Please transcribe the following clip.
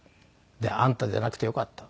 であんたじゃなくてよかった。